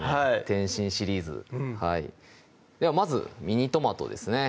点心シリーズではまずミニトマトですね